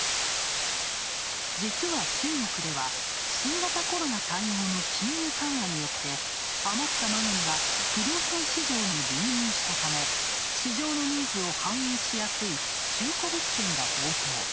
実は中国では、新型コロナ対応の金融緩和によって、あまったマネーが不動産市場に流入したため市場のニーズを反映しやすい中古物件が暴騰。